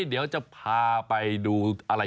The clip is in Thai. อันนี้เป็นใบอะไร